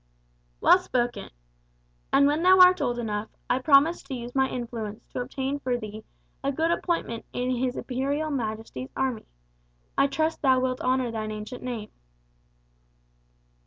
"Well spoken. And when thou art old enough, I promise to use my influence to obtain for thee a good appointment in His Imperial Majesty's army. I trust thou wilt honour thine ancient name."